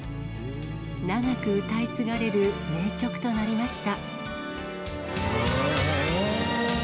長く歌い継がれる名曲となりました。